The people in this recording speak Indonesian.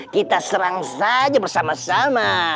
kita serang saja bersama sama